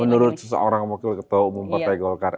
menurut seseorang wakil ketua umum partai golkar